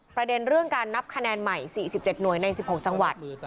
ประเด็นเรื่องการนับคะแนนใหม่๔๗หน่วยใน๑๖จังหวัด